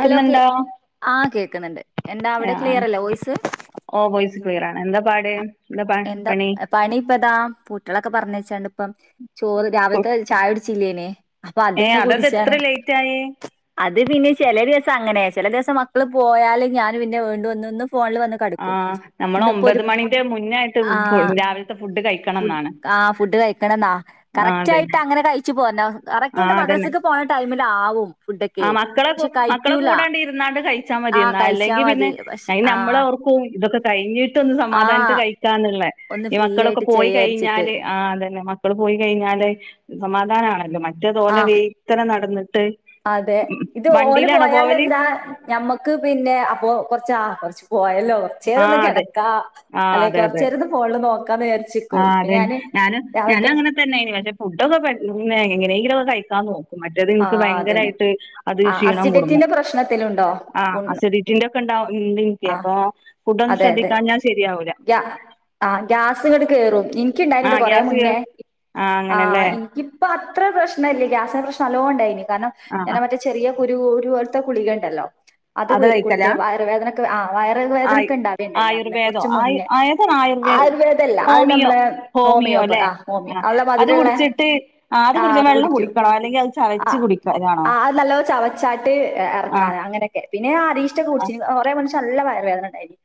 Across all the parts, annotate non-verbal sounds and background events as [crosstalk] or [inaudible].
Hello കേ ആഹ് കേക്കുന്നുണ്ട് എന്താ അവിടെ ആഹ്, ക്ലിയർ അല്ലേ വോയിസ് ഓയി പാണ്. എന്താ പാട്?. എന്താ പണി ഇപ്പ താ. കുട്ടികളക്കെ പറഞ്ഞച്ചാണ്ട്, ഇപ്പം ചോറ് രാവിലത്തെ ചായ റ്റില്ലെന്, അപ്പൊ ഏ അത അതെന്താ കുടിച്ചാണ്. ഇത്ര അ ലേറ്റ് ആയേ അത് പിന്നെ ചില ദിവസം അങ്ങനെ. ചെല ദിവസം മക്കള് പോയാലും ഞാൻ പിന്നെ വീണ്ട വന്ന്ന്. ആഹ്, നമ്മള ഒമ്പത് മണിന്റെ മുന്നായിട്ട് രാവിലത്തെ ഫുഡ്. കഴിക്കണം ഫു എന്നാണ് ആഹ്. ഫുഡ് കഴിക്കണം ന്നാ. ആഹ് കറക്റ്റ് അതെ ആയിട്ട് അങ്ങനെ കഴിച്ചു പോരണം, കറക്റ്റ് ആയിട്ട് ആഹ് മദ്രസ അതന്നെ പോണ ടൈമില് ആവും. ഫുഡൊക്കെ ആഹ്, മക്കളെ, പക്ഷെ മക്കളെ കഴിക്കൂല കൂടാണ്ട് ഇരുന്നാണ്ട് കഴ ച്ചാ മതി. ആഹ് എന്ന കഴിച്ചാ അല്ലെങ്കിൽ മതി പിന്നെ പക്ഷെ അയി ആഹ് നമ്മളെഓർക്കും ഇതൊക്കെ കഴിഞ്ഞട്ട് സമാധാനത് ആഹ് കഴിക്കാന്നുള്ള. ഒന്ന് ഈ ഫ്രീ മക്കളൊക്കെ ആയിട്ട് പോയി ചെയ്യാരിച്ചിട്ട് കഴിഞ്ഞാല് ആഹ്, അതന്നെ. മക്കള് പോയി കഴിഞ്ഞാല്. ല്ല്, സമാധാനണല്ലോ? മറ്റേ തോലെ ആഹ് വെയ് ത്തല നടന്നിട്ട്. അതെ, ഇത്, ഓല് വണ്ടിയിലാണോ പോയൽ പോവല് എന്താ. ഞമ്മക്ക് പിന്നെ അപ്പോ കുറച്ചാ കുറച്ച് പോയല്ലോ? കുറച്ചേര ആ ഒന്ന് അതെ കെടക്കാ. ആ അല്ലെങ്കി അതെ അതെ കൊറച്ചേരൊന്ന് ഫോള് നോക്ക ആ അതെ ഞാന് ഞാനും രാവിലത്തെ അങ്ങനെ തന്നെ പക്ഷെ ഫുഡൊക്കെ എങ്ങനെയെങ്കിലും കഴിക്കാൻ തോന്നും മറ്റേത് എനിക്ക് ആഹ് അതന്നെ ഭയങ്കരമായിട്ട് അത് ആഹ് ക്ഷീണം കൂടുന്നു അസിഡിറ്റിന്റെ പ്രശ്നത്തിലുണ്ടോ ആ അസഡിറ്റിന്റെ ഒക്കെ ഇണ്ടാവും വീണ് കിട്ടി ആഹ് അപ്പൊ ഫുഡ് ഒന്നും ശ്രദ്ധിക്കാഞ്ഞാ ശരിയാവൂല ആഹ ഗ്യാസ് ഇങ്ങട്ട് കയറും എനിക്ക് ആ ഇണ്ടായിണ്ട് കൊറേ ഗ്യാസ് മുന്നേ കേറും ആ എനിക്കിപ്പോ അത്ര പ്രശ്നല്ലേ ഗ്യാസിന്റെ പ്രശ്നം എനിക്ക് നല്ലോം ഉണ്ടായിനി കാരണം ആ ഞാൻ ആ മറ്റേ ചെറിയ കുരുരു പോലത്തെ കുളിക ഉണ്ടല്ലോ അത് കുടിക്ക വയറുവേദന ആ വയർ ആയു വേദനൊക്കെ ഇണ്ടാവുണ്ടായി അത് ആയുർവേദോ കുറച്ച് ആയു മുന്നേ ഏതാണ് ആയുർവേ ആയുർവേദമല്ല അത് ഹോമിയോ നമ്മള് ഹോമിയോ ഹോമിയോപ്പ ല്ലെ ആ ഹോമിയോ ആഹ് അല്ല അത് മധുരമുള്ള കുടിച്ചിട്ട് ആഹ് അത് ആ കുടിച്ച വെള്ളം കുടിക്കു കുടിക്കണോ അല്ലെങ്കി അത് ആ ചവച്ച് കുടിക്കലാണോ ആ അത് നല്ല ചവച്ചാട്ട് ആഹ് ഇറക്കാൻ അങ്ങനെയൊക്കെ പിന്നെ ആ അരിസ്റ്റോക്കെ കുടിച്ചു കൊറെ പക്ഷേ എനിക്ക് നല്ല വയർവേദന ഉണ്ടായിരുന്നു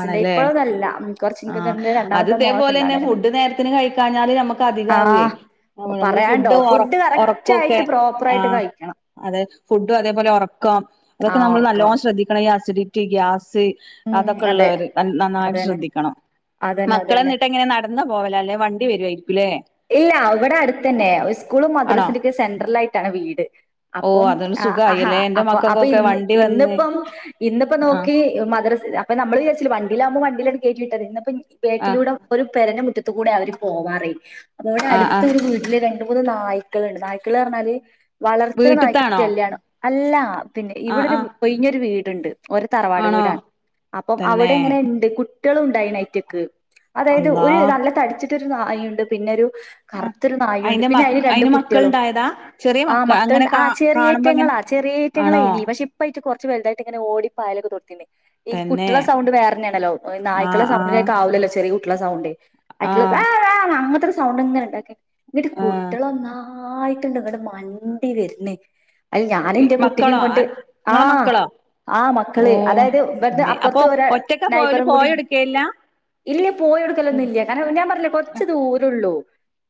ആണല്ലേ ആ എനിക്ക് തോന്നുന്നുണ്ട് അത് രണ്ടാമത്തെ മോളൊക്കെ ഇതേപോലെതന്നെ ഉണ്ടാവണേന് മുന്നേ ഫുഡ് നേരത്തിന് കഴിക്കാഞ്ഞാല് നമുക്ക് അധികാവേ ആഹ് നമ്മള് പറയാണ്ടോ ഫുഡ്‌ ഫുഡ് കറക്റ്റ് ഉറക്കൊക്കെ ആയിട്ട് പ്രോപ്പർ ആ ആയിട്ട് കഴിക്കണം അതെ ഫുഡും അതേപോലെ ഉറക്കം ആ അതൊക്കെ നമ്മള് ഉറക്ക നല്ലോണം ശ്രദ്ധിക്കണം ഈ അസി അസിഡിറ്റി ഗ്യാസ് ഉം അതെ അതൊക്കെള്ളവര് നന്നായിട്ട് അതന്നെ ശ്രദ്ധിക്കണം അതന്നെ മക്കള് അതന്നെ എന്നിട്ട് ഇങ്ങനെ നടന്ന പോവല് അല്ലേ വണ്ടി വരുയിരിക്കും അല്ലേ ഇല്ല അവിടെ അടുത്തന്നെ സ്കൂള് ആണോ മദ്രാസിന്റെൊക്കെ സെൻട്രൽ ആയിട്ടാണ് വീട് ഓ അപ്പം അതൊണ്ട് ആഹ് ആഹ സുഖായില്ലേ എന്റെ അപ്പൊ അപ്പൊ ഇ മക്കൾക്കൊക്കെ വണ്ടി വന്ന് ഇന്നിപ്പം ഇന്നപ്പം ആ നോക്കി അപ്പ നമ്മള് വിചാച്ച വണ്ടിാാവുമ്പോ വണ്ടിയിലാണ് കേട്ടി വിട്ടത് ഇന്നപ്പ ആ ബേക്കിലൂടെ ഒരു പെരേനെ മുറ്റ കൂടെ അവര് പോവാറായ് ഈടെ ആ ആ അടുത്തൊരു വീട്ടില് മൂന്ന് നായ്ക്കളുണ്ട് നായ്ക്കള് പറഞ്ഞാല് വളർത്തുന്ന നായ്ക്ക വീട്ടിത്താണോ [unintelligible] അല്ല പിന്നെ ആ ഇവിടൊരു ആ ഒഴിഞ്ഞൊരു വീടുണ്ട് ഒരു തറവാട് ആണോ വീടാണ് അപ്പം അവിടെ തന്നെ എങ്ങനെ ഉണ്ട് കുട്ടികള ഉണ്ടായി അയിട്ടകക്ക് അതായത് അള്ളാ ഒരു നല്ലതടിച്ചിട്ടൊരു നായയുണ്ട് പിന്നെരു ആ, കറുത്തൊരു നായുണ്ട് അയിന്റെ മ പിന്നെ അതിന് രണ്ട അയിന് കുട്ടികളും മക്കളുണ്ടായതാ ചെറിയ ആ മക്ക അങ്ങനെ മക്കളണ്ട് കാ ആ കാണുമ്പോ അങ്ങനെ ചെറിയേറ്റങ്ങളാ ആ ആണോ ചെറിയേറ്റങ്ങൾയിനി പക്ഷേ ഇപ്പയിട്ട കുറച്ച് വലുതായിട്ടിങ്ങനെ ഓടി പായാലൊക്കെ [unintelligible] ഈ തന്നെ കുട്ടികളെ സൗണ്ട് വേറെ തന്നെയാണല്ലോ ആ നായ്ക്കളെ ആ സൗണ്ടിലക്കാവില്ലല്ലോ ചെറിയ കുട്ടികളെ സൗണ്ട് ആ അവട്ടകള് വെ വെ അങ്ങനത്തൊരു സൗണ്ട് ഇങ്ങനെ ഉണ്ടാക്കി എന്നിട്ട് ആ കുട്ടികളൊന്നാ ആയിട്ടുണ്ടിങ്ങടെ മണ്ടി വരുന്നേ അല്ല ഇ ഞാനെന്റെ മക്കളോ കുട്ടിയ്ക്കങ്ങോട്ട് അ- നിങ്ങളെ ആഹ് മക്കളോ ആ ഓ മക്കള് അതായത് അമ്മേ, അപ്പൊ അപ്പുറത്ത് ഒരാ ഒറ്റക്കാ പോവല് നൈബറും പോയ കൂടിയുണ്ട് എടുക്കല്ല ഇല്ല പോയി എടുക്കലൊന്നും ഇല്ല കാരണം ഞാൻ പറഞ്ഞില്ല കൊറച്ച് ദൂരള്ളൂ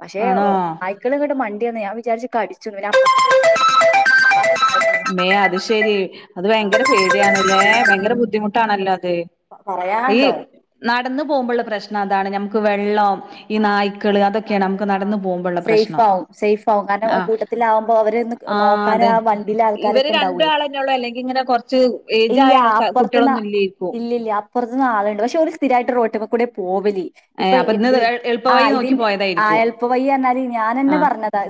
പക്ഷെ ആണോ നായ്ക്കളങ്ങട്ട് മണ്ടിന്ന് ഞാൻ വിചാരിച്ചു കടിച്ചെന്നു മേ അത് ശരി അത് ഭയങ്കര പേടിയാണല്ലേ ഭയങ്കര ബുദ്ധിമുട്ടാണല്ലോ അതെ ഈ പറയാണ്ടോ നടന്ന പോകുമ്പോുള്ള പ്രശ്നം അതാണ് നഞമുക്ക് വെള്ളം ഈ ആഹ് നായ്ക്കള് അതൊക്കെയാണ് നായ്ക്ക നമുക്ക് ആഹ് നടന്നു പോകുമ്പള്ള പ്രശ്നം. സേഫാവും സേഫ് ആവും കാരണം ആഹ് കൂട്ടത്തിലാവുമ്പോ അവര് ആഹ് നോക്കാനാ അതെ. വണ്ടിലാ ഇവര് ആൾക്കാരൊക്കെ ഉണ്ടാവുവെ രണ്ടാളന്നെള്ളൂ അല്ലെങ്കി ഇങ്ങനെ കൊറച്ച് ഇല്ല ഇല്ല ഏജായ ആൾക്കാ അപ്പറത്തന്നാ കുട്ടികളൊന്നും ഇല്ലേരിക്കും. ഇല്ലില്ല പുറത്തു നിന്ന് ആളുണ്ട് പക്ഷെ ഓര് സ്ഥിരമായിട്ട് റോട്ടി കൂടെ പോവലി ഏഹ് ഇപ്പൊ അപ്പൊ ഇന്ന് എ എളുപ്പ വഴി ആഹ് ഇതി നോക്കി ആഹ് പോയതായിരിക്കും. എളുപ്പവഴി പറഞ്ഞാല് ഞാനന്നെ ആഹ് പറഞ്ഞതാ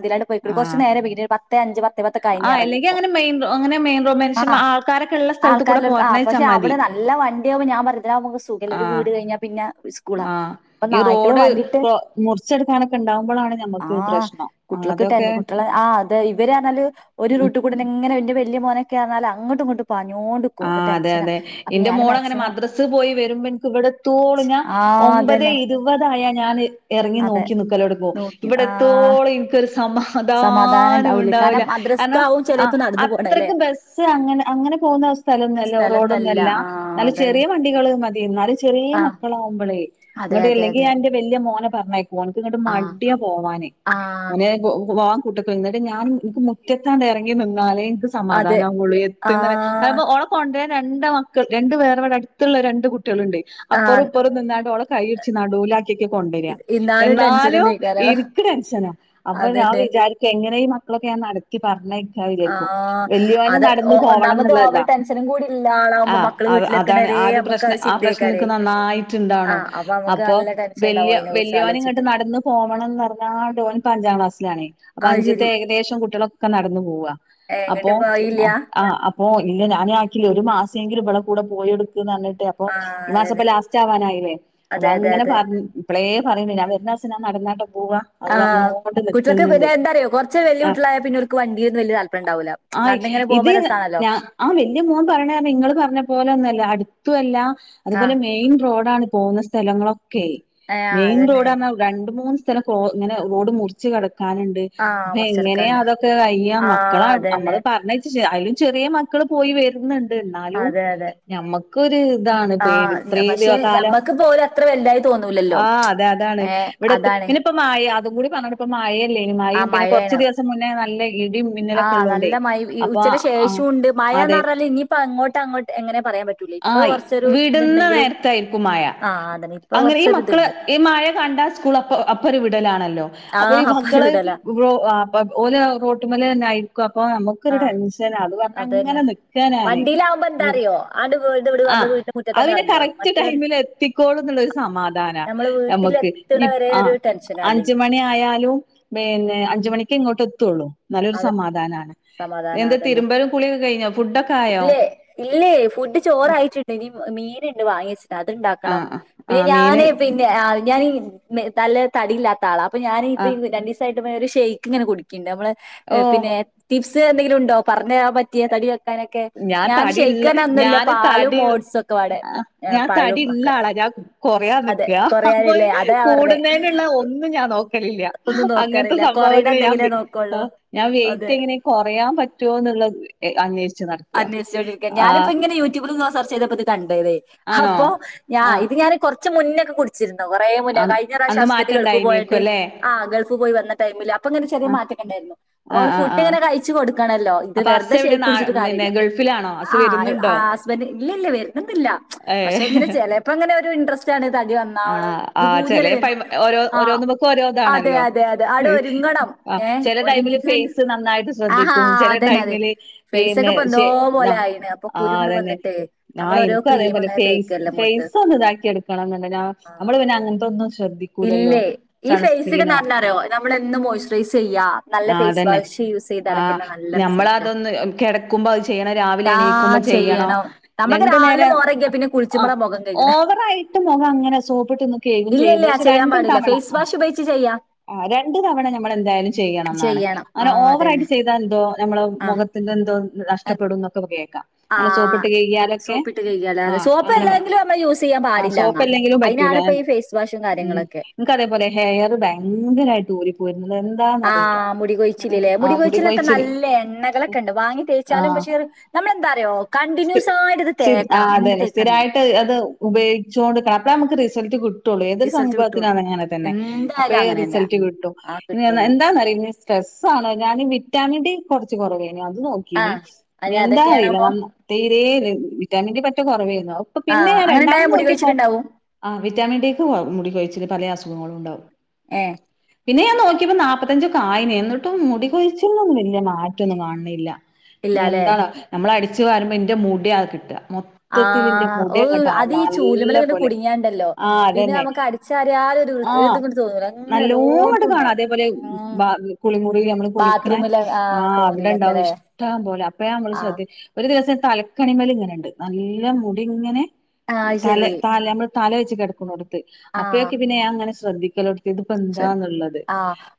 ആഹ് കുറച്ച് നേരെ വിട് പത്ത് അഞ്ച് പത്ത് കഴിഞ്ഞ് ആഹ് അല്ലെങ്കിൽ ഇറങ്ങിയപ്പോ അങ്ങനെ മെയിൻറൊ അങ്ങനെമെയിൻറോ മനുഷ്യൻ ആഹ് ആൾക്കാരൊക്കള്ള സ്ഥലത്ത് കൂടെ പോർഞേച്ചാ മതി. എല്ല വണ്ടിയാവുമ്പോ ഞാൻ പർഞ് ത് ലാഉമ്പൊ ങ്ങക്ക് സുഖല്ലെ. ഒരു ആഹ് വീട് കഴിഞ്ഞാ പിന്നെ സ്കൂളാ. ആഹ് പ്പം ഈ നായ്ക്കള് റോഡ് വണ്ടി ത് കൊ മുറിച്ചെടുക്കാനൊക്കെ ഉണ്ടാവുമ്പോഴാണ് ഞമ്മക്ക് ആഹ് പ്രശ്നം ആഹ് കുട്ടിളൊക്കെ അതൊക്കെ ട്ടന്നെ കുട്ടിളെ ആഹ് അത് ഇവരാണെലും ഹ് ഒരു ഉം റൂട്ട് കൂടെന്നെ ങ്ങനെ വ ന്റെ വല്യ മോനൊക്കെർഞാല് അങ്ങട്ടുങ്ങട്ടു ആഹ് അതെ അതെ എന്റെ ഞാന് മോളങ്ങനെ മാക്സിമം മദ്രസ് പോയി വരുമ്പോ ൻക്ക് ഇവിടെത്തോളു ഞാ ആ ഒമ്പതെ അതന്നെ ഇരുപതായാ ഞാന് ഇറങ്ങി അതെ നോക്കി നിക്കലോട്ങ്ങു. നോക്കി ഇവിടെ ആ എത്തോളു ഇൻക്കൊരുസ് സമാധാനം ഉണ്ടാവൂലേ സമാധാനോണ്ടാവ് ല. കാരണം കാരണം മദ്രസ്ക്കാവും അഹ് ചിലപ്പോ നടന്നു പോണല്ലേ അത്രയ്ക്ക് ബസ് അങ്ങനെ അങ്ങനെ പോകുന്ന വസ് സ്ഥലംന്നല്ലോ സ്ഥലംന്നല്ല റോഡോന്നല്ല. ആ നല്ല അതന്നെ ചെറിയ വണ്ടികള് മതിയേന്നു. ന്നാല് നല്ല ചെറ്യേ ആ മക്കളാഉമ്പളേ അതെ ങ്ങട്ട് അതെ ഇല്ലെങ്കി അതെ ഞാൻ ന്റെ വല്യ മോനെ പർഞ്ഞയ ഓൻക്ക് ങ്ങട്ട് ആ മഡ്യാ പോവാന്. ആ ഓനെ പോ പോവാ കൂട്ടക്ക് ന്നട്ട് ഞാൻ ഇൻക്ക് മുറ്റത്താണ്ട് എറങ്ങി നിന്നാലേ ഇൻക്ക് അതെ സമാധാനമാവുള്ളൂ ആ എത്ത്ന്നവ അപ്പോ ഓളെ കൊണ്ട്ര രണ്ട് മക്കൾ രണ്ട് വേർ വടെ അടുത്തുള്ള രണ്ട് കു ട്ട്യേള്ണ്ട്. ആ അപ്പറും ഇപ്പറും നിന്നാണ്ട് ഓളെ കയ്യ്ട്ച് നടൂലാ കിക്ക് കൊണ്ടോര എന്നാലും ഇൻക്ക് ടെൻഷനാ. അപ്പൊ ഞാ അതന്നെ വിചാരിക്ക എങ്ങനെ ഈ മ ക്കളൊക്കെ യാൻ നടത്തി പറഞ്ഞയ്ക്കാ വിജാരിക്കും. ആഹ് വല്യോന് അത് ഒ നടന്ന് പോവണം ഒന്നാമത് ന്നുള്ള ഓവർ ടെൻഷനും കൂടി ഇള്ള ആളാവുമ്പോ ആഹ് മക്കള് അഹ് അതാണ് വീട്ടിലെത്തണവരേ ആ ഒരു നമുക്ക് അത് പ്രശ്നം ആ പ്രശ്നം ചിന്തേക്കാരേ നിക്ക് നന്നായിട്ട്ണ്ടാണും. ആഹ് നമുക്ക് അപ്പൊ നല്ല ടെൻഷൻ ഇണ്ടാവും വല്യ അയിനെ കുറിച്ച് വല്യോന് ങ്ങട്ട് ആലോചിച്ചിട്ട് നടന്ന് പോവണംന്ന്ർഞ്ഞാ ഡോന് കഞ്ചാളാസ് ലാണ്. അപ്പൊ അത് അഞ്ജ്ത്തെ ശരി ഏകദേശം കുട്ട്യേളൊക്കെ നടന്നു പോവാ അപ്പോ എങ്ങട്ടും പോയില്ല ആഹ് അപ്പോ ഇല്ല ഞാന് ആക്കില്ലേ. ഒരു മാസേങ്കിലും വളെ കൂടെ പോയെടു ത് ന്നർഞ്ഞിട്ട് അപ്പൊ ആഹ് ഈ മാസപ്പൊ അതന്നെ ലാസ്റ്റ് ആവാനായില്ലേ. അപ്പൊ അതെ അതെ അങ്ങനെ അതെ പർഞ് ഇപ്പളേ പറിണ്ട് ഞാൻ വര്ന നടന്നാട്ട് പോവാ അത് പറഞ്ഞ ആഹ് ഓണ്ട് കുട്ടികൾക്ക് നിക്കുന്നുണ്ട് പിന്നെ എന്താറിയോ കൊറച്ച് വല്യ ആഹ കുട്ടികളായ പിന്നെ ഓൽക്ക് വണ്ടിയൊന്നും വല്യ താല്പര്യം ഇണ്ടാവൂല്ല ആ നടന്നിങ്ങനെ ഇത് പോകുമ്പോ രസാണല്ലോ ഞാ ആ വ ഇ മോൻ പറഞ്ഞ നിങ്ങള്ൾ പറഞ്ഞ പോലെ ഒന്നും അല്ല അടുത്തല്ല അതുപോലെ ആഹ് മെയിൻ റോഡാണ് പോകുന്ന സ്ഥലങ്ങളൊക്കെ ഏഹ് മെയിൻ അതന്നെ റോഡ രണ്ട മൂന്ന് ഇങ്ങനെ ഡ് മുറിച്ച് കട ഞാനുണ്ട് ആഹ് അപ്പൊ എങ്ങനെയാ മുറിച്ചെടുക്കാണ്ട് അതൊക്കെ കയ്യാ മക്കള ആഹ് അതന്നെ നമ്മള് പറഞ്ഞ ആയിലും ചെറിയ മക്കൾ പോയി വരുന്നുണ്ട് എന്നാലും അതെ അതെ ഞമ്മക്കൊ ഒരു ഇതാണ് പേടി ആഹ് ഇത്രയും പക്ഷെ കാലം നമ്മക്കിപ്പോ ഓല് അത്ര വലുതായി തോന്നൂലല്ലോ ആഹ അതെ അതാണ് ഏഹ് ഇവിടെ അതാണ് ഇപ്പം മായ അ കൂടി പറഞ്ഞോട്ടപ്പ മയല്ലേ ഇനി മയയും ആഹ് പിന്നെ കെറച്ച് മഴയാണ് ദിവസം മുന്നേ നല്ല ഇടി മിന്നലും ഒക്കെ ആഹ് ഉള്ള കൊണ്ടേ നല്ല മഴ ഈ അപ്പൊ ഉച്ചക്ക് ആ ശേഷവും ഉണ്ട് മഴന്ന് അതെ പറഞ്ഞാല് ഇനിയിപ്പോ അങ്ങോട്ട് അങ്ങോട്ട് എങ്ങനെ പറയാൻ പറ്റൂല ഇപ്പൊ ആയി കൊറച്ചൊരു വിടുന്ന ഇതുണ്ടെങ്കിലും നേരത്തയിരിക്കും മഴ ആഹ് അതന്നെ ഇപ്പൊ അങ്ങനെ ഈ മക്കള് കൊറച്ചൊരിതുണ്ട് ഈ മഴ കണ്ട സ്കൂൾ അപ്പ അപ്പരു വിടലാണല്ലോ അപ്പൊ ഈ ആഹ് ഒരു വിടല ഭത ഓല റോട്ടുമ്മേലെ തന്നെ ആയിരിക്കും അപ്പൊ നമുക്കൊരു ആഹ് ടെൻഷൻ അ അതന്നെ ഇങ്ങനെ നിക്കാണ് വണ്ടിയിലാവുമ്പോ ഞാൻ എന്താറിയോ ആണ്ട് വീട് വിടും ആ നമ്മള് വീടിന്റെ അത് മുറ്റത്താണ്ട് പിന്നെ ഇറങ്ങിയോളും കറക്റ്റ് മറ്റേ ടൈമിൽ എത്തിക്കോളും എന്നുള്ള ഒരു സമാധാനം നമ്മള് നമുക്ക് വീട്ടിലെത്തണ വരെ ആ ഒരു ടെൻഷനാ അഞ്ചു അല്ലെങ്കിൽ മണി ആയാലും ഉം പിന്നെ അഞ്ചു മണിക്ക് ഇങ്ങോട്ട് എത്തുള്ളൂ നല്ലൊരു അത് സമാധാനമാണ് സമാധാനം എന്ത് അതന്നെ തിരുമ്പരും ഇല്ലേ ഇല്ലേ ഫുഡ് ചോറായിട്ടുണ്ട് ഇനി മീന് ഉണ്ട് വാങ്ങി അതുണ്ടാക്കണം ആഹ് പിന്നെ ആഹ് മീന് ഞാന് പിന്നെ ഞാൻ നല്ല തടിയില്ലാത്ത ആളാ അപ്പൊ ഞാൻ ഇപ്പ ആഹ് രണ്ടു ദിവസമായിട്ട് ഷെയ്ക്ക് ഇങ്ങനെ കൊടുക്കണ്ട് നമ്മള് ഓഹ് പിന്നെ ടി ടിപ്പ് എന്തെങ്കിലും ഉണ്ടോ പറഞ്ഞ പറ്റിയ തടി വെക്കാൻ ഞാൻ ഷേക്ക്‌ തടിള്ള ഒന്നുമല്ല ഞാന് പാലും തടി ഓട്സ് ഒക്കെ വടെ പഴും ഒക്കെ കുറയാൻ അതെ നിക്കാ അപ്പൊ കൊറയാനില്ലേ അതാ പറഞ്ഞെ കൂടുന്നതിനുള്ള ഒന്ന് ഞാൻ നോ ഒന്നും അങ്ങനത്തെ നോക്കാറില്ല കൊറയണ സംഭവങ്ങൾ ഞാൻ എന്തെങ്കിലേ നോക്കുള്ളൂ ഞാൻ അതെ വെയിറ്റ് എങ്ങനെ കുറയാം പറ്റുമോ എന്ന് അന്വേഷി അന്വേഷിച്ചു കൊണ്ടിരിക്കുക ഞാനിപ്പോ ഇങ്ങനെ സെർച്ച്‌ ചെയ്തപ്പോ ഇത് കണ്ടതേ ആണോ അപ്പൊ ഞാ ആഹ് ഇത് ഞാൻ കുറച്ചു മുന്നൊക്കെ കുടിച്ചിരുന്നു കുറെ മുന്നേ ആഹ് കഴിഞ്ഞ പ്രാവശം അന്ന് ഹസ്ബൻഡ് ഗൾഫിൽ മാറ്റണ്ടായിനേക്കും പോയിട്ട് അല്ലേ ആഹ ഗൾഫ് പോയി വന്ന ടൈമില് അപ്പ അങ്ങനെ ആഹ് ചെറിയമറ്റൊക്കെ ഉണ്ടായിരുന്നു അപ്പ ആഹ് നമ്മള് ആഹ് ആഹ് ഫുഡ്ങ്ങനെ കഴിച്ചു കൊടു കണല്ലോ ഇത് അപ്പൊ ഹസ് വെറുതെ എവിടെ ഷേക്ക്‌ നാ കുടിച്ചിട്ട് പിന്നെ കാര്യമില്ല ഗൾഫിലാണോ ഹസ് ആ ആ വരുന്നുണ്ടോ ഹസ്ബൻഡ് ഇല്ല ഇല്ല വരുന്നില്ല പക്ഷെ ഇങ്ങനെ ഏഹ് ചിലപ്പോ അങ്ങനെ ഒരു ഇൻട്രസ്റ്റ് ആണ് തടി നന്നാവണം ഒരു പുതിയങ്ങട് വരും ആ നമുക്ക് ഓരോരുത്തർക്കും ണല്ലോ ഒരുങ്ങണം ഏഹ് ചില ടൈമിൽ ഒരുങ്ങിക്കാണ്ട് ഫേസ് നന്നായിട്ട് ആഹാ ശ്രദ്ധിക്കും അതന്നെ അത് ടൈമിലെ ഫേസൊക്കെ പിന്നെ ഇപ്പൊ എന്തോ പോലെ ആയിണ് അപ്പൊ ആ കുരുങ്ങട് അതന്നെ വന്നിട്ടേ ആ നമ്മൾ ഓരോ എനിക്കും ക്രീം അത്പോലെ ഇങ്ങനെ തേക്കല്ലേ മുഖത്ത് ഫേസ് ഒന്ന് ഇതാക്കി എടുക്കണം ആ നമ്മള് പിന്നെ അങ്ങനത്തെന്നും ഇല്ലേ ഈ ഫേസ് ഒക്കെ എന്നറിയുമോ നമ്മൾ എന്ത് മോയ്സ്ചറൈസ് ചെയ്യാ നല്ല ഫേസ് വാഷ് ചെയ്യാ യൂസ് ചെയ്ത ഒക്കെ നല്ല നമ്മൾ അത് റിസൾട്ടാ ഒന്ന് കിടക്കുമ്പോ അത് ചെയ്യണം രാവിലെ ആ എണീക്കുമ്പോ ചെയ്യണോ ചെയ്യണം നമ്മൾക്ക് രണ്ടു രാവിലെ നേരം മോറയ്ക്കാ പിന്നെ ആഹ് കുളിച്ചുമ്പളാ മുഖം കഴുകണേ ഓവറായിട്ട് മുഖം അങ്ങനെ സോപ്പിട്ടൊന്നും കെയ്കും ചെയ്യര്ത് പക്ഷെ ചെയ്യാം രണ്ടും പാടില്ല തവണ ഫേ്സ് ആഹ് വാഷ് ഉപയോഗിച്ച് ചെയ്യാം ആഹ് രണ്ട് തവണ ഞമ്മള് എന്തായാലും ചെയ്യണന്നാണ് ചെയ്യണം ആ അങ്ങന അതന്നെ ഓവറായ്ട്ട് ചെയ്താ എന്തോ ഞമ്മള ആ മുഖത്തിന്റെ എന്തോ അ- നഷ്ടപ്പെടൂന്നോക്ക കേക്കാം ആ അങ്ങന സോപ്പിട്ട് കയ്കിയാലൊക്കെ സോപ്പിട്ട് കഴുകിയാലേ അതെ ആഹ് സോപ്പ് അങ്ങനെ അല്ലെങ്കിലും നമ്മൾ യൂസ് ചെയ്യാൻ ആ പാടില്ലാന്നാ സോപ്പല്ലെങ്കിലും പറ്റൂല അതിനാണ് ഇപ്പൊ ഈ ഫേസ് വാഷും ഉം കാര്യങ്ങളൊക്കെ എന്ക്കതേപോലെ ഹെയർ ഭയങ്കരായിട്ട് ഊരിപ്പോരുന്നത് എന്ത ആഹ് മുടികൊയ്ച്ചില് ലെ മുടികൊയ്ച്ചിലൊക്ക കൊഴിച്ചില് നല്ലെ എണ്ണകളൊക്ക ഒണ്ട് വാങ്ങി തേച്ചാലും ആഹ് പക്ഷെ നമ്മളെന്താറിയോ കണ്ടിന്യൂസ് ആട്ട് ഇത് തേക്കണം എന്ത് തേക്ക് സ്ഥിരായ്ട്ട് അത് ഉപയോഗിച്ചോണ്ട് നിക്കണം അപ്പളെ ഞമക്ക് റിസൽട്ട് കിട്ടു ട്ടുള്ളു ഏതൊര് റിസൾട്ട് കിട്ടുള്ളൂ സംഭവത്തിനാണ് അങ്ങന തന്നെ എന്തായാലും അപ്പയെ അങ്ങനെ തന്നെയാ റിസൽട്ട് കിട്ടും ആ നി കിട്ടുള്ളൂ എന്താന്നറിയോ ഇനി സ്‌ട്രെ സ്സാണോ ഞാന് വിറ്റാമിൻ ഡി കൊറച്ച് കൊറവെയ്നു അത് നോക്കീനി ആഹ് അതിന് എന്താ അറിയില്ല അതൊക്കെയാണാമോ നല്ല തീരെ വിറ്റാമിൻ ഡി പറ്റെ കൊറവേ അയ് പ്പം പിന്നെ ആഹ് ഞാൻ അങ്ങനെ ഉണ്ടായ രണ്ടാമന്ന് മുടി നോക്കിപ്പോ കൊഴിച്ചിലുണ്ടാവും ആഹ് വിറ്റാമിൻ ഡി ക്ക് വ മുടികൊയിച്ചില് പലെ അസു അുഖങ്ങളും ഉണ്ടാവും ഏഹ് പിന്നെ ഞാൻ നോക്കിയപ്പോ നാപ്പത്തഞ്ചെക്ക ആയ്ന് എന്നട്ടും മുടി കൊയിച്ചിൽനൊന്ന് വല്യ മാറ്റൊന്നും കാണ്ന്നില്ല ഇല്ലാല്ലേ എന്താണോ നമ്മള അടിച്ചു വരുമ്പോ ഇന്റെ മൂടിയ കിട്ട മൊത്തത്തി നിന്റെ ആഹ് ഓ മുടി അങ്ങോട്ട ആ അത് ഈ നല്ല ചൂലുമേല് ഇങ്ങട് പോലെ കുടുങ്ങിയാണ്ടല്ലോ ആഹ പിന്നെ അതന്നെ നമുക്ക് അടിച്ചാരിയാലും ഒരു വൃ ഒരു ആ് ഇതും കൂടി തോന്നൂല അങ്ങനെ നല്ലോങ്ങോട്ട് എല്ലോടത്തും കാണാം ഉണ്ടാവും അതേപോലെ ബാ കുളിമുറി നമ്മള് കുളിക്കണേ ഇ ആ് ആഹ് അവിടെണ്ടാവുന്നു ഇഷ്ടം പോലെ അപ്പ നമ്മള് ആഹ് ശ്രദ്യ സ തലക്കണിമൽ ഇങ്ങനെണ്ട് നല്ല മുടി ഇങ്ങനെ ആഹ് അത് തല ശരി തല നമ്മൾ തല വെച്ച് കിടക്ക കൊടുത്ത് അപ്പയൊക്കെ പിന്നെ ഞൻ അങ്ങനെ ശ്രദ്ധിക്കോ ശരി ആ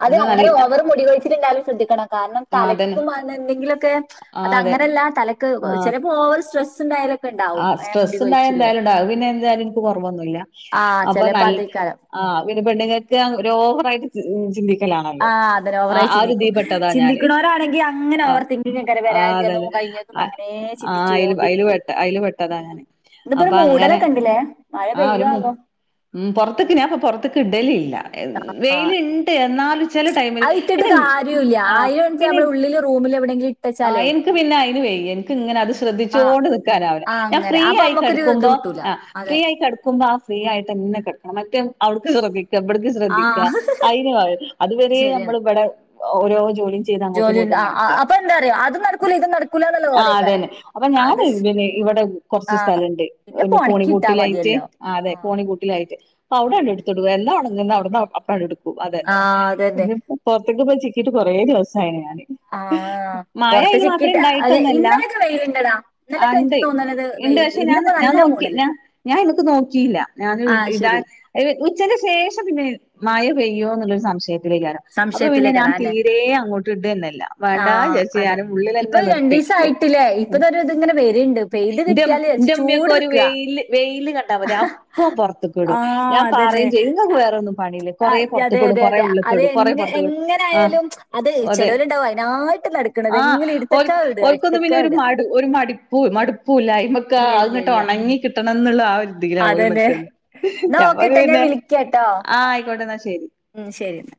അത് നല്ല അങ്ങനെ ഓവർ മുടിവഴിച്ചിട്ട എന്താലും ശ്രദ്ധിക്കണം ആ അതന്നെ തലക്കു മണ്ടേ എന്തെങ്കിലുമൊക്കെ ആ അതെ അത്ങ്ങനെയല്ല തലക്ക് ചിലപ്പോ ഓവർ സ്ട്രെസ് ഉണ്ടായാലൊക്കെ ഉണ്ടാവും ആഹ ഏഹ് മുടി സ്ട്രെസ് ഉണ്ടായ കൊഴിച്ചില് എന്തായാലും ഉണ്ടാവ പിന്നെ എന്തായാലും എനിക്ക് കൊറവൊന്നുമല്ല ആഹ് അപ്പൊ ന ചെലപ്പോ അതേക്കാരം ആ പി പെണ്ണുങ്ങൾക്ക് ഒരു ഓവറായിട്ട് ചിന്തിക്കും ആഹ് അതിനെ ഓവറായി ചിന്തിക്കും ഞാന് ചിന്തിണവോരാണങ്ക അങ്ങനെ ആ ഓവർ തിങ്കിങ്ങ്ങനെ ആ വരാഇരിക്കാൻ അതന്നെ കഴിഞ്ഞതും അങ്ങനെ ചിന്തിച്ചുൊണ്ടിരിക്കും അതില് പെട്ടതഞാൻ അപ്പൊ അങ്ങനെ ഇണ്ട്ല്ലേ മഴ ആ ഒരു പെയ്യോവോ ഉ പുറത്തേക്ക് അപ്പൊ പുറത്തക്ക് ഇടല ഇല്ല ആഹ് വെയിലുണ്ട് എന്നാലുംച്ചല് ടൈമി ല് അത് ഇട്ടിട്ട് പിന്നെ കാര്യല്ല ആ അയിന് പിന്നെ നമ്മളെ ഉള്ളില് റൂമിൽ എവിടെയെങ്കിലും ആ് ഇട്ടച്ചാലേ എനിക്ക് പിന്നെ അന് വേയി എനിക്ക് ഇങ്ങനെ അത് ആഹ് ശ്രദ്ധിച്ചോണ്ട് നിക്കാനാവില്ല ആഹ് ഞാൻ അങ്ങനെ ഫ്രീ അപ്പൊ ആയി നമ്മക്കൊരു ഇത് കിടക്കുമ്പോ കിട്ടൂല ആ അത ഫ്രീ ആയി കിടുക്കുമ്പോ ആ ഫ്രീ ആയിട്ട് തന്നെ കടക്കണം മറ്റേ അടുക്ക് ശ്രദ്ധിക്കണം വിടക്കും ശ്രദ്ധിക്കുക ആഹ് അതിന അതുവരെ നമ്മൾ ശരിയാണ് ഇവിടെ ഓരോ ജോലിയും ചെയ്ത് അങ്ങോട്ടുംഇ ങ്ങോ ജോലിണ്ട് ആ അപ്പൊ അറിയോ അത് നടക്കൂല ഇത് നടക്കൂല എന്നുള്ള ആഹ പോലെക്കാരം അതന്നെ അപ്പൊ അത് ഞാന് സ് പിന്ന ഇവിടെ കുറച്ച് സ്ഥലംണ്ട് പിന്നെ പൊണക്കിട്ടാ കോണിക്കൂട്ടിലായിട്ട് മതിയല്ലോ അതെ ആഹ് കോണിക്കൂട്ടിലായിട്ട് അപ്പൊ അവിടെണ്ട് അതന്നെ ടുത്തടുവ എല്ല അവിടുന്ന് അപ്പം എടുക്കും അതന്നെ ആഹ് അതന്നെ പിന്ന പുറത്തേക്ക് പോയി ചിക്കിട്ട് കുറേ ദിവസ ആ ഞാൻ ആഹ്ഹാ പുറത്ത് ചക്കിട്ട് അ ഇണ്ടായിട്ടൊന്നല്ല ഇന്നലെൊക്കെ വെയിലുണ്ടടാ ആ ഇന്നലൊക്കെ ഇണ്ട് തോന്നത് ഇണ്ട് വെയിലുണ്ട് പക്ഷെ ഞാൻ ഇന്നിപ്പോ ഞാൻ നല്ല മൂടി നോക്കി ഞാൻ നിനക്ക് നോക്കിയില്ല ഞാൻ ആഹ് ഇതാ ശരി ഉച്ചക്ക് ശേഷം പിന്നെ മഴ പെയ്യോ എന്നുള്ളൊരു സംശയം അഗ്രം അപ്പൊ പിന്നെ ഞാൻ സംശയത്തിലേക്കാരം അതെന്നെ തീരെ അങ്ങോട്ട് ഇണ്ട് എന്നല്ല വേണ്ടന്ന് ആഹ് വെച്ച അതെ ചെയ്യാനും ഇപ്പൊ ഉള്ളിൽെന്നെ നിർത്തി രണ്ടീസം ആയിട്ടില്ലേ ഇപ്പതൊരു ഇതിങ്ങനെ വര്ണ്ട് പെയ്ത് കിട്ടിയാല് വിചാരിച്ച് ന്റെ മ്മ്യൊക്കെ ഒരു ചൂടെടുക്കാ വെയില് വെയില് കണ്ടാ മതി അപ്പം പുറത്ത കടും ആഹ് ഞാൻ അതന്നെ പറുകയും ചെയ്യുംക്ക് വേറെൊന്നും പണിയില്ലേ കൊറേ ആഹ് അതെ പുറത്തുടും അതെ അതെ. കുറേള്ള അത് ട കൊറെ എങ്ങ പുറത്ത കടും ആ എങ്ങനായാലും അത് അതെ ചെലോല്ണ്ടാവും അയിനായിട്ട് നടക്ക്ണത്. എങ്ങനെ ആഒരു ഇട്ത്തക്കാ ഇടാ ഓർക്കൊന്നും പിന്നെ ഇട്ത്തക്കാ ഒരു ഇടാ. മടു ഒരു മടിപ്പൂ മടുപ്പൂല്ലായ്മക്ക ഇല്ല ഇല്ല അങ്ങോട്ട് ഇല്ല. ഉണങ്ങി കിട്ടണം എന്നുള്ള ആ ഓല അതന്നെ. നിക്കണേ ന്നാ ഞമ്മ ഓക്കെട്ടോ ഞാൻ പിന്നെ വിളിക്കാട്ടോ. ആഹ ആയിക്കോട്ടെ ശരി ഉം ശരിന്നാ